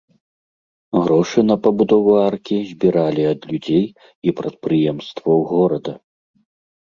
Грошы на пабудову аркі збіралі ад людзей і прадпрыемстваў горада.